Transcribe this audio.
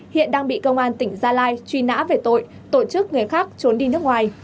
hiện đang bị công an tỉnh gia lai truy nã về tội tổ chức người khác trốn đi nước ngoài